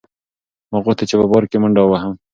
ما غوښتل چې په پارک کې منډه وهم.